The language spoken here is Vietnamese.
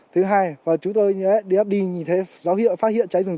thứ hai và chúng tôi ấy đi hát đi nhìn thấy dấu hiệu phát hiện cháy rừng